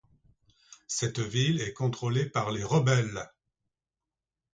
Cette ville est contrôlée par les rebelles.